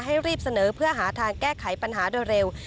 ให้รีบเสนอเพื่อหาทางแก้ไขปัญหาโดยเร็ว